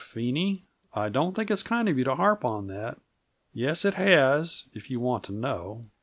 "Phenie, I don't think it's kind of you to harp on that. Yes, it has, if you want to know.